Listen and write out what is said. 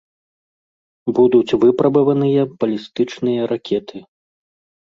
Будуць выпрабаваныя балістычныя ракеты.